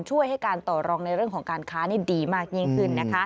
ช่วยให้การต่อรองในเรื่องของการค้านี่ดีมากยิ่งขึ้นนะคะ